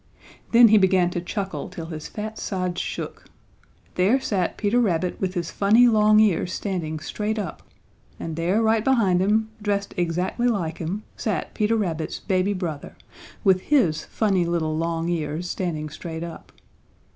Then he began to chuckle till his fat sides shook. There sat Peter Rabbit with his funny long ears standing straight up, and there right behind him, dressed exactly like him, sat Peter Rabbit's baby brother with his funny little long ears standing straight up.